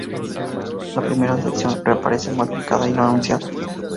La primera sección reaparece modificada y no anunciada.